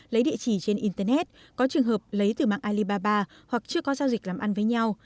lấy địa chỉ trên internet có trường hợp lấy từ mạng alibaba hoặc chưa có giao dịch làm ăn với nhau